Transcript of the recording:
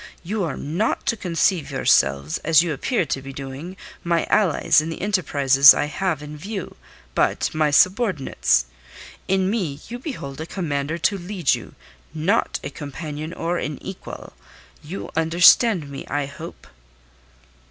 You are not to conceive yourselves, as you appear to be doing, my allies in the enterprises I have in view, but my subordinates. In me you behold a commander to lead you, not a companion or an equal. You understand me, I hope."